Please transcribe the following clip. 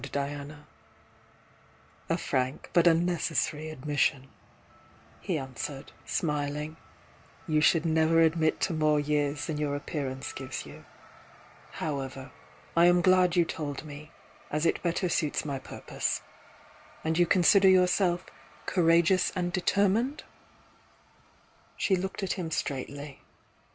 THE YOUNG DIANA 107 "A frank, but unnecessary admission," he an swered, smiling. "You should never admit to more years than your appearance gives you. However, I am glad you told me, as it better suits my pur pose. And you consider yourself 'courageous and determined'?" She looked at him straightly.